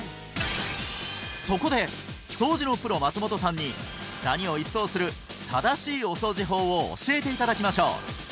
そこで掃除のプロ松本さんにダニを一掃する正しいお掃除法を教えていただきましょう！